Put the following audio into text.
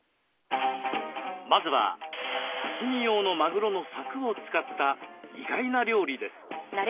まずは刺身用のマグロのさくを使った意外な料理です。